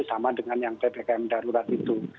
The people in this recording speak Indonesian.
sama dengan yang ppkm darurat itu